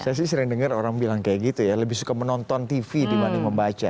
saya sih sering dengar orang bilang kayak gitu ya lebih suka menonton tv dibanding membaca